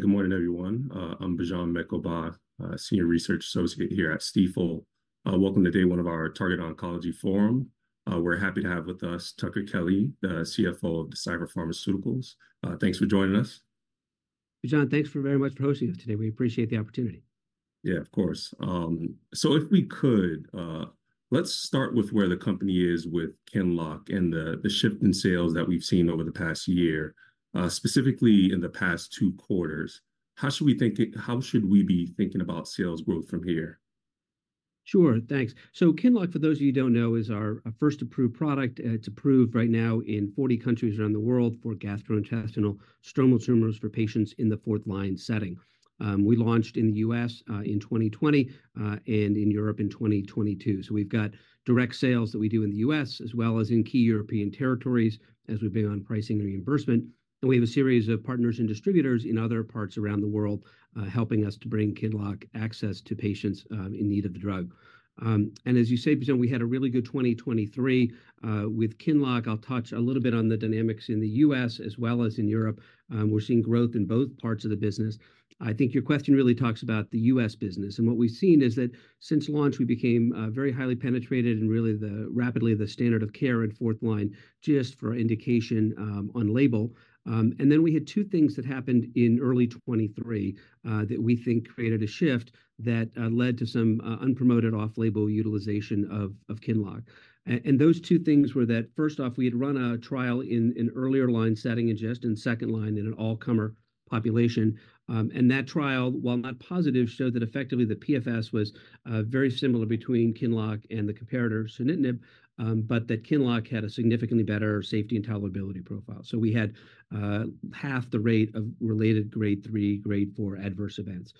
All right, good morning, everyone. I'm Bijan Mekoba, Senior Research Associate here at Stifel. Welcome to Day 1 of our Target Oncology Forum. We're happy to have with us Tucker Kelly, the CFO of Deciphera Pharmaceuticals. Thanks for joining us. Bijan, thanks very much for hosting us today. We appreciate the opportunity. Yeah, of course. So if we could, let's start with where the company is with QINLOCK and the shift in sales that we've seen over the past year, specifically in the past two quarters. How should we be thinking about sales growth from here? Sure, thanks. So QINLOCK, for those of you who don't know, is our first approved product. It's approved right now in 40 countries around the world for gastrointestinal stromal tumors for patients in the fourth line setting. We launched in the U.S. in 2020 and in Europe in 2022. So we've got direct sales that we do in the U.S. as well as in key European territories as we've been on pricing and reimbursement. And we have a series of partners and distributors in other parts around the world helping us to bring QINLOCK access to patients in need of the drug. And as you say, Bijan, we had a really good 2023 with QINLOCK. I'll touch a little bit on the dynamics in the U.S. as well as in Europe. We're seeing growth in both parts of the business. I think your question really talks about the U.S. business. What we've seen is that since launch, we became very highly penetrated and really rapidly the standard of care in fourth line just for indication on label. Then we had two things that happened in early 2023 that we think created a shift that led to some unpromoted off-label utilization of QINLOCK. Those two things were that, first off, we had run a trial in an earlier line setting and just in second line in an all-comer population. That trial, while not positive, showed that effectively the PFS was very similar between QINLOCK and the comparator, sunitinib, but that QINLOCK had a significantly better safety and tolerability profile. So we had half the rate of related grade three, grade four adverse events.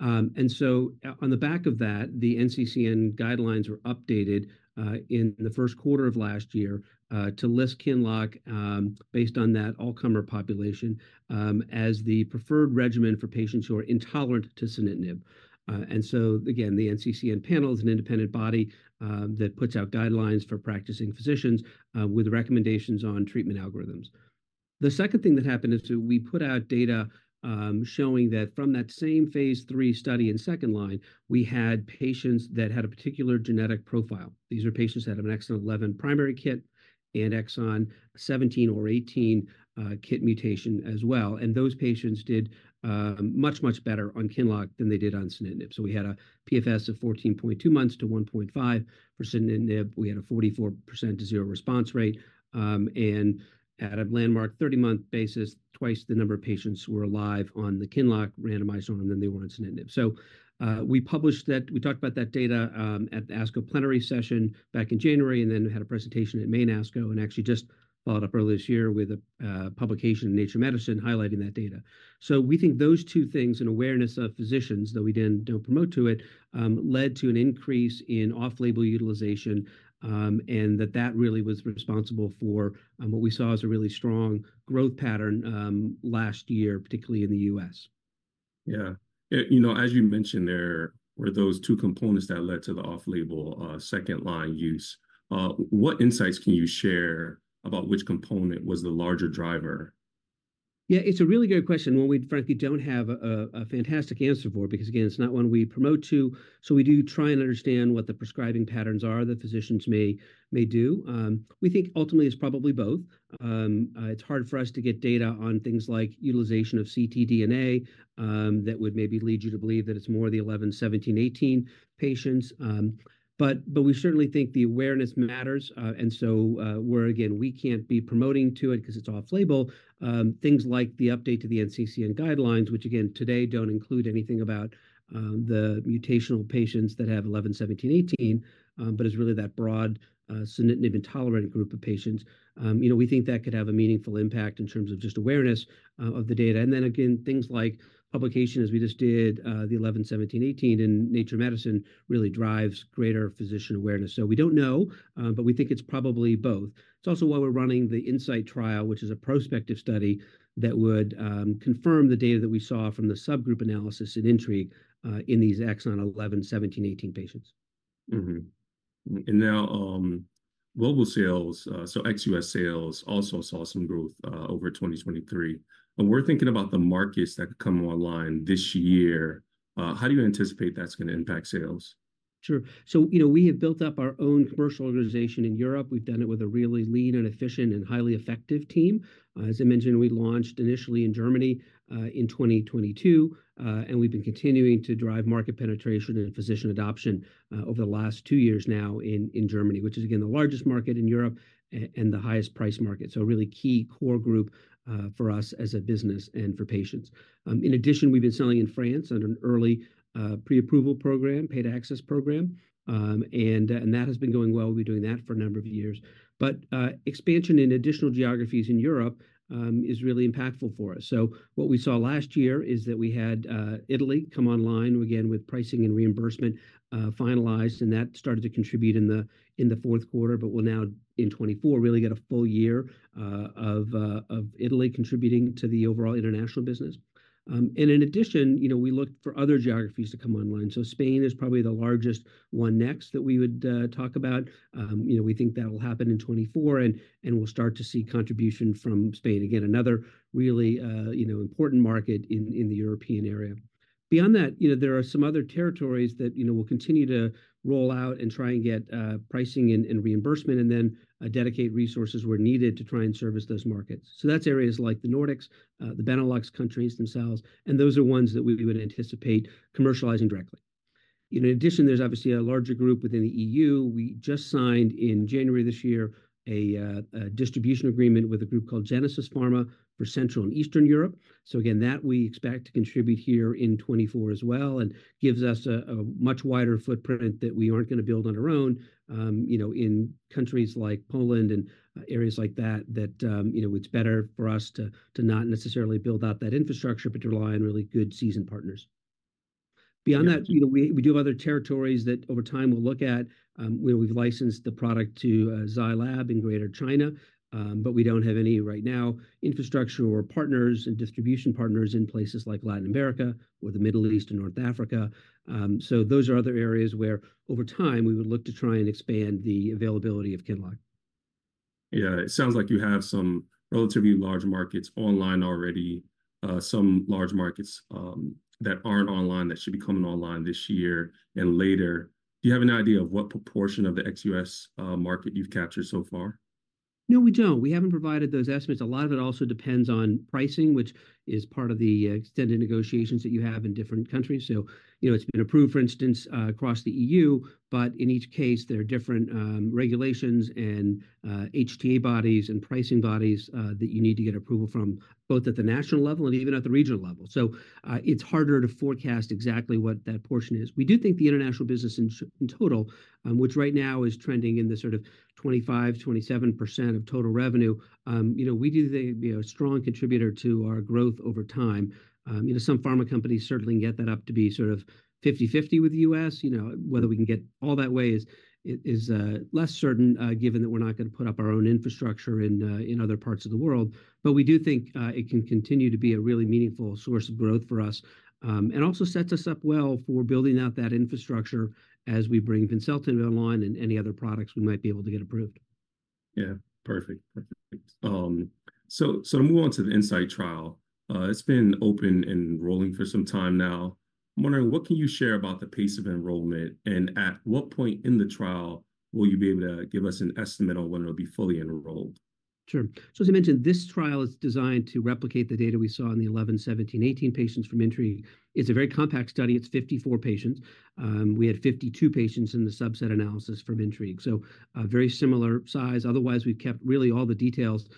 On the back of that, the NCCN guidelines were updated in the first quarter of last year to list QINLOCK based on that all-comer population as the preferred regimen for patients who are intolerant to sunitinib. The NCCN panel is an independent body that puts out guidelines for practicing physicians with recommendations on treatment algorithms. The second thing that happened is that we put out data showing that from that same phase 3 study in second line, we had patients that had a particular genetic profile. These are patients that have an Exon 11 primary KIT and Exon 17 or 18 KIT mutation as well. Those patients did much, much better on QINLOCK than they did on sunitinib. We had a PFS of 14.2 months to 1.5%. We had a 44%-0% response rate. At a landmark 30-month basis, twice the number of patients were alive on the QINLOCK randomized on them. Then they were on sunitinib. So we published that. We talked about that data at the ASCO Plenary session back in January, and then had a presentation at main ASCO and actually just followed up earlier this year with a publication in Nature Medicine highlighting that data. So we think those two things and awareness of physicians, though we then don't promote to it, led to an increase in off-label utilization, and that that really was responsible for what we saw as a really strong growth pattern last year, particularly in the U.S. Yeah. You know, as you mentioned, there were those two components that led to the off-label second line use. What insights can you share about which component was the larger driver? Yeah, it's a really great question when we frankly don't have a fantastic answer for it, because, again, it's not one we promote to. So we do try and understand what the prescribing patterns are that physicians may do. We think ultimately it's probably both. It's hard for us to get data on things like utilization of ctDNA that would maybe lead you to believe that it's more the 11, 17, 18 patients. But we certainly think the awareness matters. And so where, again, we can't be promoting to it because it's off-label, things like the update to the NCCN guidelines, which, again, today don't include anything about the mutational patients that have 11, 17, 18, but is really that broad sunitinib intolerant group of patients. You know, we think that could have a meaningful impact in terms of just awareness of the data. Then, again, things like publication, as we just did, the Exon 11, 17, 18 in Nature Medicine really drives greater physician awareness. We don't know, but we think it's probably both. It's also why we're running the INSIGHT trial, which is a prospective study that would confirm the data that we saw from the subgroup analysis and INTRIGUE in these Exon 11, 17, 18 patients. And now global sales. So ex-U.S. sales also saw some growth over 2023. And we're thinking about the markets that could come online this year. How do you anticipate that's going to impact sales? Sure. So, you know, we have built up our own commercial organization in Europe. We've done it with a really lean and efficient and highly effective team. As I mentioned, we launched initially in Germany in 2022, and we've been continuing to drive market penetration and physician adoption over the last two years now in Germany, which is, again, the largest market in Europe and the highest price market. So a really key core group for us as a business and for patients. In addition, we've been selling in France under an early pre-approval program, paid access program. And that has been going well. We've been doing that for a number of years. But expansion in additional geographies in Europe is really impactful for us. So what we saw last year is that we had Italy come online, again, with pricing and reimbursement finalized, and that started to contribute in the fourth quarter, but will now, in 2024, really get a full year of Italy contributing to the overall international business. And in addition, you know, we looked for other geographies to come online. So Spain is probably the largest one next that we would talk about. You know, we think that'll happen in 2024, and we'll start to see contribution from Spain. Again, another really, you know, important market in the European area. Beyond that, you know, there are some other territories that, you know, will continue to roll out and try and get pricing and reimbursement, and then dedicate resources where needed to try and service those markets. So that's areas like the Nordics, the Benelux countries themselves, and those are ones that we would anticipate commercializing directly. You know, in addition, there's obviously a larger group within the EU. We just signed in January this year a distribution agreement with a group called Genesis Pharma for Central and Eastern Europe. So again, that we expect to contribute here in 2024 as well, and gives us a much wider footprint that we aren't going to build on our own. You know, in countries like Poland and areas like that, that, you know, it's better for us to not necessarily build out that infrastructure, but to rely on really good seasoned partners. Beyond that, you know, we do have other territories that over time we'll look at. You know, we've licensed the product to Zai Lab in Greater China, but we don't have any right now infrastructure or partners and distribution partners in places like Latin America or the Middle East and North Africa. So those are other areas where over time we would look to try and expand the availability of QINLOCK. Yeah, it sounds like you have some relatively large markets online already. Some large markets that aren't online that should be coming online this year and later. Do you have an idea of what proportion of the ex-U.S. market you've captured so far? No, we don't. We haven't provided those estimates. A lot of it also depends on pricing, which is part of the extended negotiations that you have in different countries. So, you know, it's been approved, for instance, across the EU. But in each case, there are different regulations and HTA bodies and pricing bodies that you need to get approval from, both at the national level and even at the regional level. So it's harder to forecast exactly what that portion is. We do think the international business in total, which right now is trending in the sort of 25%-27% of total revenue. You know, we do think, you know, a strong contributor to our growth over time. You know, some pharma companies certainly can get that up to be sort of 50/50 with the U.S. You know, whether we can get all that way is less certain, given that we're not going to put up our own infrastructure in other parts of the world. But we do think it can continue to be a really meaningful source of growth for us, and also sets us up well for building out that infrastructure as we bring vimseltinib online and any other products we might be able to get approved. Yeah, perfect. Perfect. To move on to the INSIGHT trial. It's been open and rolling for some time now. I'm wondering, what can you share about the pace of enrollment? And at what point in the trial will you be able to give us an estimate on when it'll be fully enrolled? Sure. So, as I mentioned, this trial is designed to replicate the data we saw in the 11, 17, 18 patients from INTRIGUE. It's a very compact study. It's 54 patients. We had 52 patients in the subset analysis from INTRIGUE. So very similar size. Otherwise, we've kept really all the details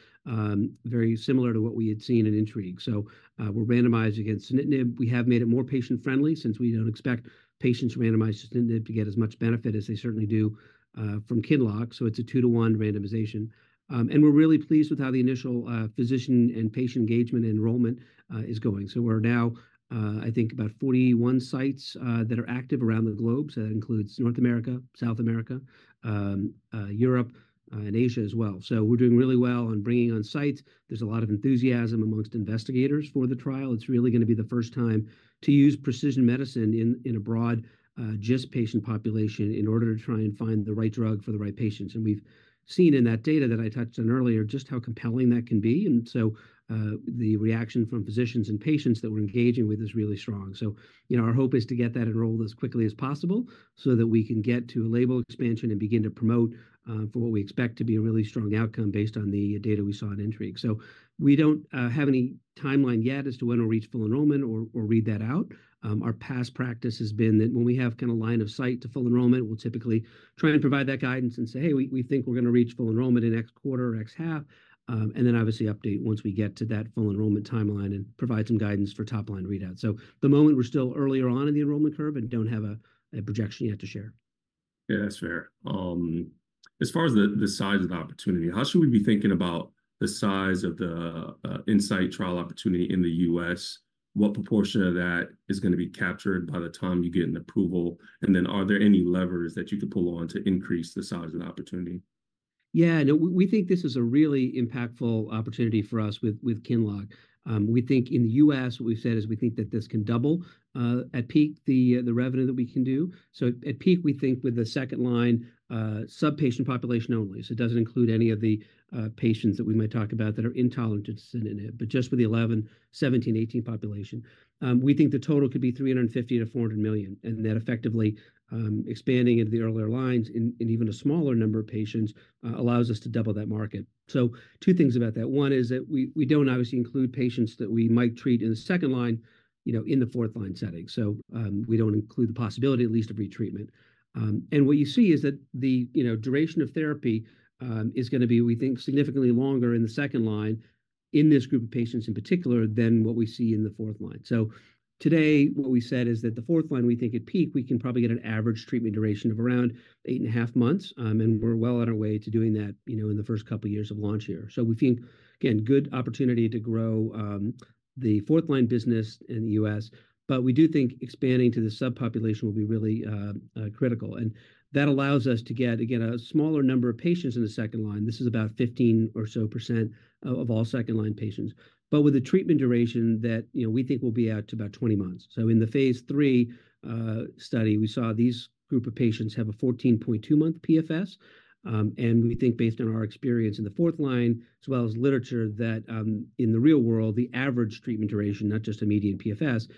very similar to what we had seen in INTRIGUE. So we're randomizing against sunitinib. We have made it more patient-friendly since we don't expect patients randomized to sunitinib to get as much benefit as they certainly do from QINLOCK. So it's a 2:1 randomization. And we're really pleased with how the initial physician and patient engagement and enrollment is going. So we're now, I think, about 41 sites that are active around the globe. So that includes North America, South America, Europe, and Asia as well. So we're doing really well on bringing on sites. There's a lot of enthusiasm among investigators for the trial. It's really going to be the first time to use precision medicine in a broad just patient population in order to try and find the right drug for the right patients. And we've seen in that data that I touched on earlier just how compelling that can be. And so the reaction from physicians and patients that we're engaging with is really strong. So, you know, our hope is to get that enrolled as quickly as possible, so that we can get to a label expansion and begin to promote for what we expect to be a really strong outcome based on the data we saw in INTRIGUE. So we don't have any timeline yet as to when we'll reach full enrollment or read that out. Our past practice has been that when we have kind of line of sight to full enrollment, we'll typically try and provide that guidance and say, "Hey, we think we're going to reach full enrollment in x quarter or x half." And then obviously update once we get to that full enrollment timeline and provide some guidance for top line readout. So the moment we're still earlier on in the enrollment curve and don't have a projection yet to share. Yeah, that's fair. As far as the size of the opportunity, how should we be thinking about the size of the INSIGHT trial opportunity in the U.S.? What proportion of that is going to be captured by the time you get an approval? And then are there any levers that you could pull on to increase the size of the opportunity? Yeah, no, we think this is a really impactful opportunity for us with QINLOCK. We think in the U.S., what we've said is we think that this can double at peak the revenue that we can do. So at peak, we think with the second line subpatient population only. So it doesn't include any of the patients that we might talk about that are intolerant to sunitinib, but just with the 11, 17, 18 population. We think the total could be $350 million-$400 million, and that effectively expanding into the earlier lines in even a smaller number of patients allows us to double that market. So two things about that. One is that we don't obviously include patients that we might treat in the second line, you know, in the fourth line setting. So we don't include the possibility, at least of retreatment. What you see is that the, you know, duration of therapy is going to be, we think, significantly longer in the second line in this group of patients in particular than what we see in the fourth line. Today, what we said is that the fourth line, we think at peak, we can probably get an average treatment duration of around 8.5 months. We're well on our way to doing that, you know, in the first couple of years of launch here. We think, again, good opportunity to grow the fourth line business in the U.S. But we do think expanding to the subpopulation will be really critical. That allows us to get, again, a smaller number of patients in the second line. This is about 15% or so of all second line patients. But with the treatment duration that, you know, we think will be out to about 20 months. In the phase III study, we saw this group of patients have a 14.2-month PFS. And we think, based on our experience in the fourth-line, as well as literature, that in the real world, the average treatment duration, not just a median PFS,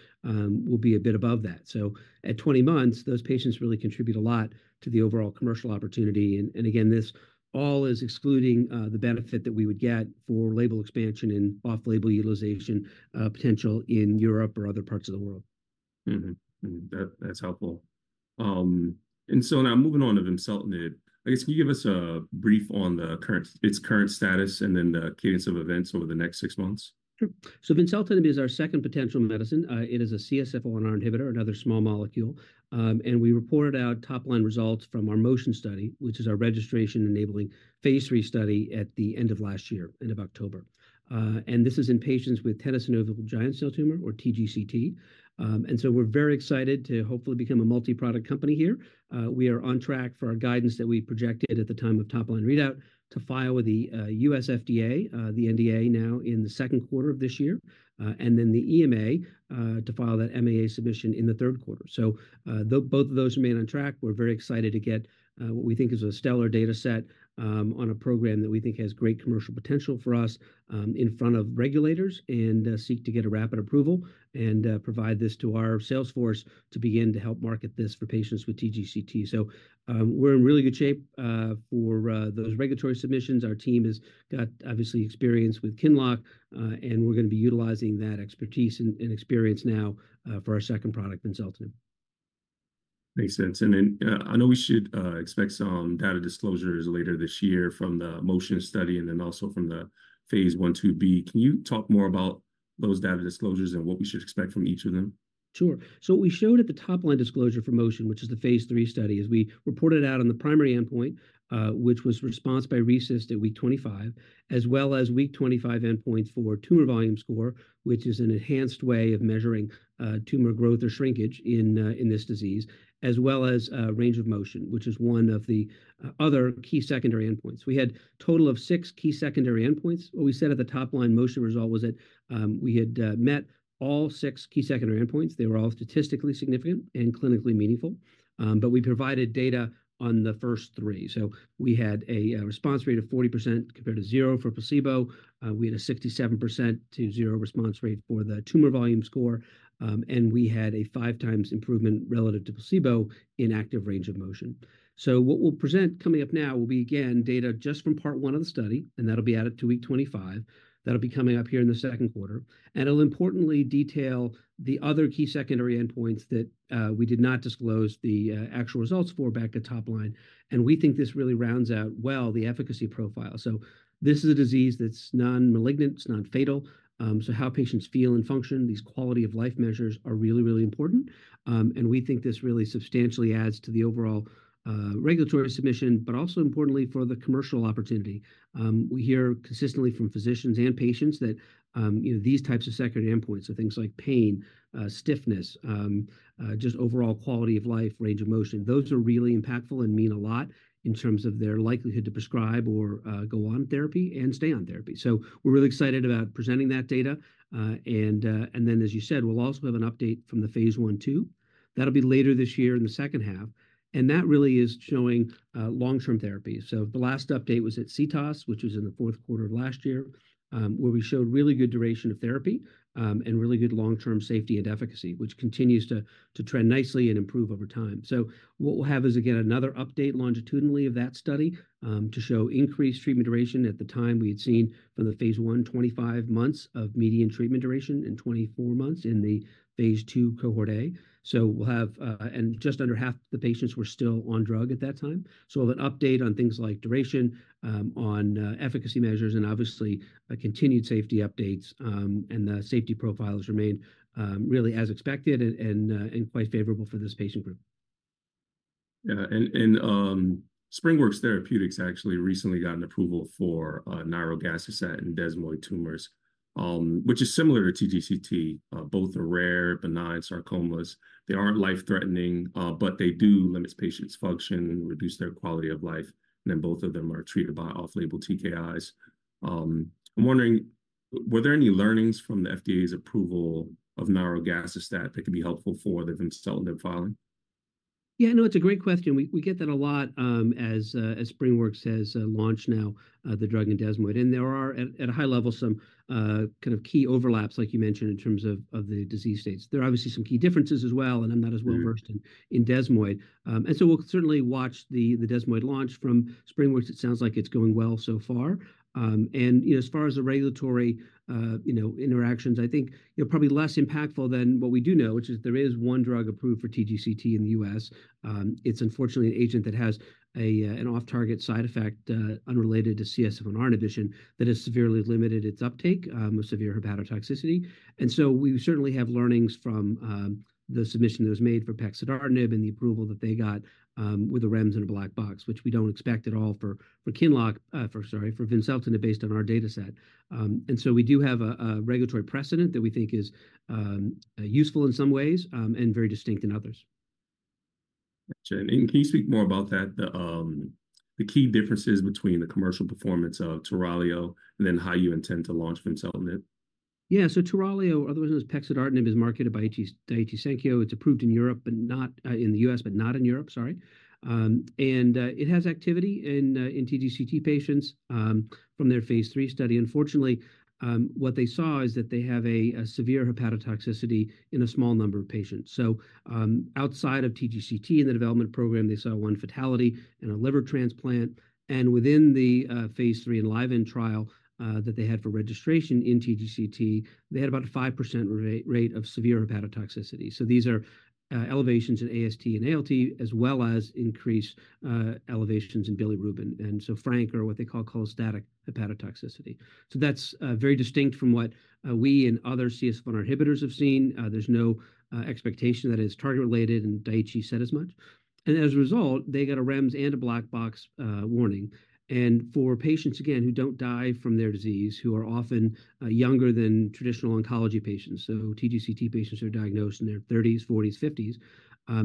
will be a bit above that. So at 20 months, those patients really contribute a lot to the overall commercial opportunity. And again, this all is excluding the benefit that we would get for label expansion and off-label utilization potential in Europe or other parts of the world. That's helpful. So now moving on to vimseltinib. I guess, can you give us a brief on its current status and then the cadence of events over the next six months? Sure. So vimseltinib is our second potential medicine. It is a CSF1R inhibitor, another small molecule. We reported out top-line results from our MOTION study, which is our registration-enabling phase III study at the end of last year, end of October. This is in patients with tenosynovial giant cell tumor, or TGCT. So we're very excited to hopefully become a multi-product company here. We are on track for our guidance that we projected at the time of top-line readout to file with the U.S. FDA the NDA now in the second quarter of this year, and then the EMA to file that MAA submission in the third quarter. So both of those remain on track. We're very excited to get what we think is a stellar data set on a program that we think has great commercial potential for us in front of regulators and seek to get a rapid approval and provide this to our salesforce to begin to help market this for patients with TGCT. So we're in really good shape for those regulatory submissions. Our team has got obviously experience with QINLOCK, and we're going to be utilizing that expertise and experience now for our second product, vimseltinib. Makes sense. And then I know we should expect some data disclosures later this year from the motion study, and then also from the phase 1, 2b. Can you talk more about those data disclosures and what we should expect from each of them? Sure. So what we showed at the top-line disclosure for MOTION, which is the phase III study, is we reported out on the primary endpoint, which was response by RECIST at week 25, as well as week 25 endpoint for tumor volume score, which is an enhanced way of measuring tumor growth or shrinkage in this disease, as well as range of motion, which is one of the other key secondary endpoints. We had a total of 6 key secondary endpoints. What we said at the top-line MOTION result was that we had met all 6 key secondary endpoints. They were all statistically significant and clinically meaningful. But we provided data on the first 3. So we had a response rate of 40% compared to 0% for placebo. We had a 67%-0% response rate for the tumor volume score. We had a 5 times improvement relative to placebo in active range of motion. So what we'll present coming up now will be, again, data just from part one of the study, and that'll be added to week 25. That'll be coming up here in the second quarter. And it'll importantly detail the other key secondary endpoints that we did not disclose the actual results for back at top line. And we think this really rounds out well the efficacy profile. So this is a disease that's non-malignant. It's non-fatal. So how patients feel and function, these quality of life measures are really, really important. And we think this really substantially adds to the overall regulatory submission, but also importantly for the commercial opportunity. We hear consistently from physicians and patients that, you know, these types of secondary endpoints, so things like pain, stiffness, just overall quality of life, range of motion, those are really impactful and mean a lot in terms of their likelihood to prescribe or go on therapy and stay on therapy. So we're really excited about presenting that data. And then, as you said, we'll also have an update from the phase 1/2. That'll be later this year in the second half. And that really is showing long-term therapy. So the last update was at CTOS, which was in the fourth quarter of last year, where we showed really good duration of therapy and really good long-term safety and efficacy, which continues to trend nicely and improve over time. So what we'll have is, again, another update longitudinally of that study to show increased treatment duration at the time we had seen from the phase 1, 25 months of median treatment duration and 24 months in the phase II cohort A. So we'll have, and just under half the patients were still on drug at that time. So we'll have an update on things like duration, on efficacy measures, and obviously continued safety updates. And the safety profiles remain really as expected and quite favorable for this patient group. Yeah, and SpringWorks Therapeutics actually recently got an approval for nirogacestat and desmoid tumors, which is similar to TGCT, both are rare, benign sarcomas. They aren't life-threatening, but they do limit patients' function, reduce their quality of life. And then both of them are treated by off-label TKIs. I'm wondering, were there any learnings from the FDA's approval of nirogacestat that could be helpful for the vimseltinib filing? Yeah, no, it's a great question. We get that a lot as SpringWorks has launched now the drug in desmoid. There are, at a high level, some kind of key overlaps, like you mentioned, in terms of the disease states. There are obviously some key differences as well, and I'm not as well versed in desmoid. So we'll certainly watch the desmoid launch. From SpringWorks, it sounds like it's going well so far. You know, as far as the regulatory, you know, interactions, I think, you know, probably less impactful than what we do know, which is there is one drug approved for TGCT in the U.S. It's, unfortunately, an agent that has an off-target side effect unrelated to CSF1R inhibition that has severely limited its uptake of severe hepatotoxicity. We certainly have learnings from the submission that was made for pexidartinib and the approval that they got with the REMS in a black box, which we don't expect at all for QINLOCK, sorry, for vimseltinib, based on our data set. We do have a regulatory precedent that we think is useful in some ways and very distinct in others. Gotcha. Can you speak more about that? The key differences between the commercial performance of TURALIO and then how you intend to launch vimseltinib? Yeah. So TURALIO, otherwise known as pexidartinib, is marketed by Daiichi Sankyo. It's approved in Europe, but not in the U.S., but not in Europe. Sorry. And it has activity in TGCT patients from their phase III study. Unfortunately, what they saw is that they have a severe hepatotoxicity in a small number of patients. So outside of TGCT in the development program, they saw one fatality and a liver transplant. And within the phase III ENLIVEN trial that they had for registration in TGCT, they had about a 5% rate of severe hepatotoxicity. So these are elevations in AST and ALT, as well as increased elevations in bilirubin and so frank, or what they call cholestatic hepatotoxicity. So that's very distinct from what we and other CSF1R inhibitors have seen. There's no expectation that it is target related, and Daiichi said as much. As a result, they got a REMS and a black box warning. For patients, again, who don't die from their disease, who are often younger than traditional oncology patients. So TGCT patients are diagnosed in their 30s, 40s, 50s.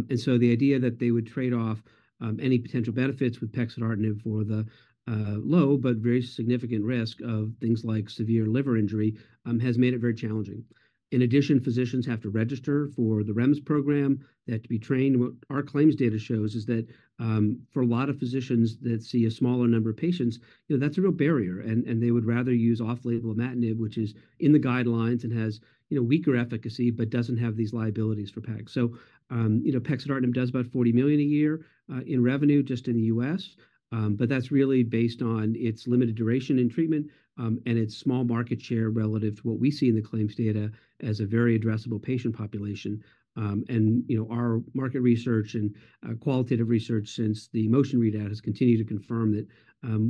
And so the idea that they would trade off any potential benefits with pexidartinib for the low but very significant risk of things like severe liver injury has made it very challenging. In addition, physicians have to register for the REMS program. They have to be trained. What our claims data shows is that for a lot of physicians that see a smaller number of patients, you know, that's a real barrier. And they would rather use off-label imatinib, which is in the guidelines and has, you know, weaker efficacy but doesn't have these liabilities for pexidartinib. So, you know, pexidartinib does about $40 million a year in revenue just in the U.S. But that's really based on its limited duration in treatment and its small market share relative to what we see in the claims data as a very addressable patient population. And, you know, our market research and qualitative research since the MOTION readout has continued to confirm that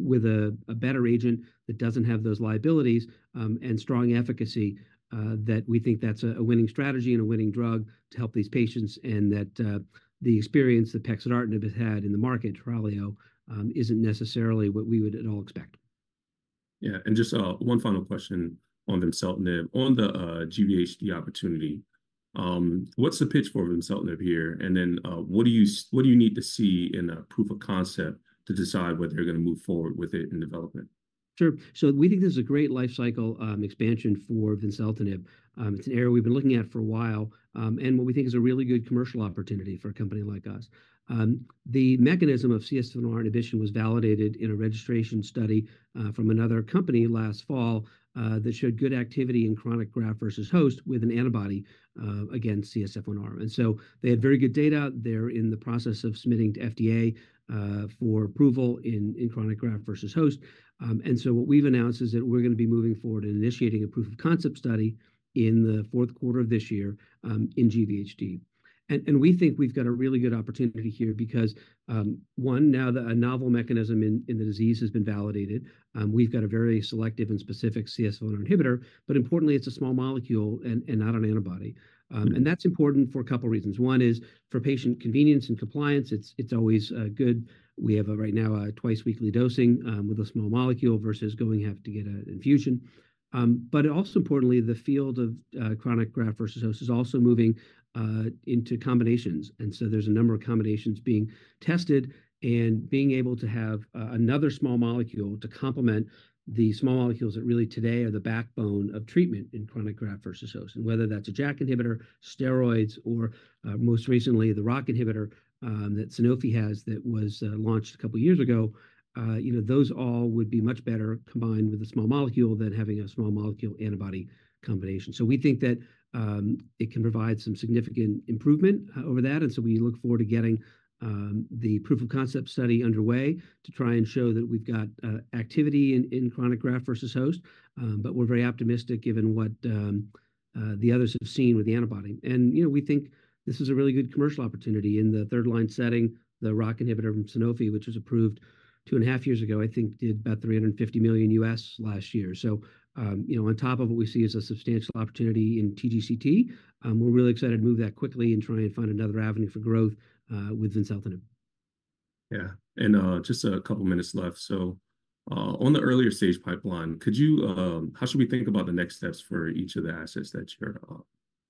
with a better agent that doesn't have those liabilities and strong efficacy, that we think that's a winning strategy and a winning drug to help these patients, and that the experience that pexidartinib has had in the market, TURALIO, isn't necessarily what we would at all expect. Yeah. And just one final question on vimseltinib, on the GVHD opportunity. What's the pitch for vimseltinib here? And then what do you need to see in a proof of concept to decide whether you're going to move forward with it in development? Sure. So we think this is a great lifecycle expansion for vimseltinib. It's an area we've been looking at for a while. What we think is a really good commercial opportunity for a company like us. The mechanism of CSF1R inhibition was validated in a registration study from another company last fall that showed good activity in chronic graft-versus-host with an antibody against CSF1R. So they had very good data. They're in the process of submitting to FDA for approval in chronic graft-versus-host. What we've announced is that we're going to be moving forward and initiating a proof of concept study in the fourth quarter of this year in GVHD. We think we've got a really good opportunity here because, one, now that a novel mechanism in the disease has been validated, we've got a very selective and specific CSF1R inhibitor. But importantly, it's a small molecule and not an antibody. And that's important for a couple of reasons. One is for patient convenience and compliance. It's always good. We have right now a twice-weekly dosing with a small molecule versus going and having to get an infusion. But also, importantly, the field of chronic graft versus host is also moving into combinations. And so there's a number of combinations being tested and being able to have another small molecule to complement the small molecules that really today are the backbone of treatment in chronic graft versus host, and whether that's a JAK inhibitor, steroids, or most recently, the ROCK inhibitor that Sanofi has that was launched a couple of years ago. You know, those all would be much better combined with a small molecule than having a small molecule antibody combination. So we think that it can provide some significant improvement over that. And so we look forward to getting the proof of concept study underway to try and show that we've got activity in chronic graft-versus-host. But we're very optimistic, given what the others have seen with the antibody. And, you know, we think this is a really good commercial opportunity in the third line setting. The ROCK inhibitor from Sanofi, which was approved 2.5 years ago, I think did about $350 million last year. So, you know, on top of what we see as a substantial opportunity in TGCT, we're really excited to move that quickly and try and find another avenue for growth with vimseltinib. Yeah. And just a couple of minutes left. So on the earlier stage pipeline, could you, how should we think about the next steps for each of the assets that you're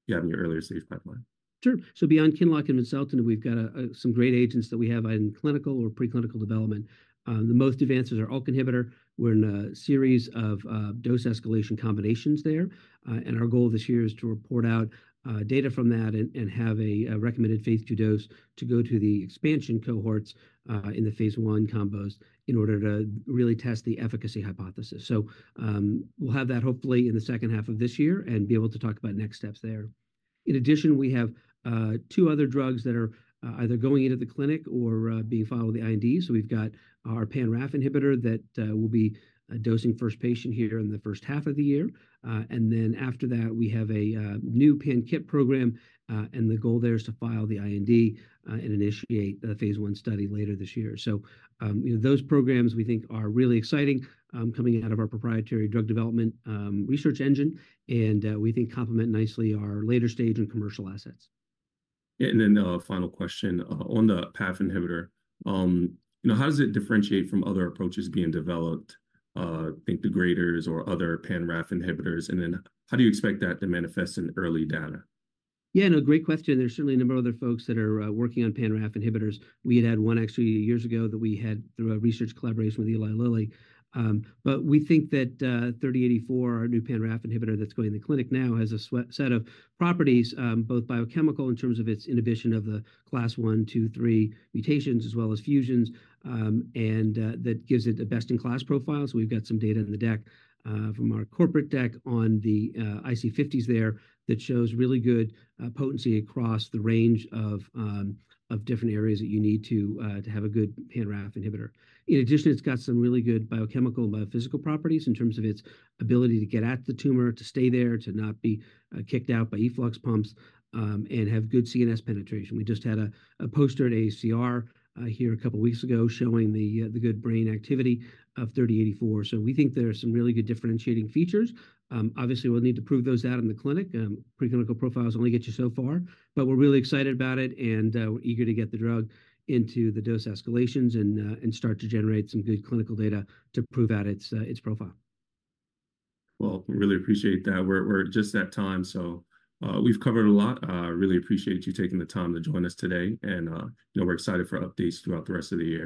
having your earlier stage pipeline? Sure. So beyond QINLOCK and vimseltinib, we've got some great agents that we have in clinical or preclinical development. The most advanced is ULK inhibitor. We're in a series of dose escalation combinations there. Our goal this year is to report out data from that and have a recommended phase II dose to go to the expansion cohorts in the phase I combos in order to really test the efficacy hypothesis. So we'll have that, hopefully, in the second half of this year and be able to talk about next steps there. In addition, we have two other drugs that are either going into the clinic or being filed with the IND. So we've got our Pan-RAF inhibitor that will be dosing first patient here in the first half of the year. Then after that, we have a new Pan-KIT program. The goal there is to file the IND and initiate the phase I study later this year. So, you know, those programs we think are really exciting coming out of our proprietary drug development research engine. And we think complement nicely our later stage and commercial assets. Yeah. And then a final question on the Pan-RAF inhibitor. You know, how does it differentiate from other approaches being developed? I think degraders or other Pan-RAF inhibitors. And then how do you expect that to manifest in early data? Yeah, no, great question. There's certainly a number of other folks that are working on Pan-RAF inhibitors. We had had one actually years ago that we had through a research collaboration with Eli Lilly. But we think that 3084, our new Pan-RAF inhibitor that's going in the clinic now, has a set of properties, both biochemical in terms of its inhibition of the class 1, 2, 3 mutations, as well as fusions. And that gives it a best-in-class profile. So we've got some data in the deck from our corporate deck on the IC50s there that shows really good potency across the range of different areas that you need to have a good Pan-RAF inhibitor. In addition, it's got some really good biochemical and biophysical properties in terms of its ability to get at the tumor, to stay there, to not be kicked out by efflux pumps. And have good CNS penetration. We just had a poster at AACR here a couple of weeks ago showing the good brain activity of 3084. So we think there are some really good differentiating features. Obviously, we'll need to prove those out in the clinic. Preclinical profiles only get you so far. But we're really excited about it and eager to get the drug into the dose escalations and start to generate some good clinical data to prove out its profile. Well, we really appreciate that. We're just at time. So we've covered a lot. Really appreciate you taking the time to join us today. And, you know, we're excited for updates throughout the rest of the year.